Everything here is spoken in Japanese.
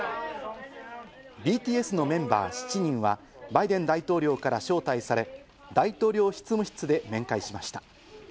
ＢＴＳのメンバー７人はバイデン大統領から招待され、大統領執務室で面会しました。